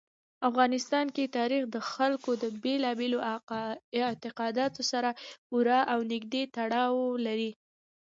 افغانستان کې تاریخ د خلکو له بېلابېلو اعتقاداتو سره پوره او نږدې تړاو لري.